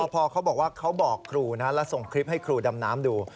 พอเขาบอกว่าเขาบอกครูนะแล้วส่งคลิปให้ครูดำน้ำดู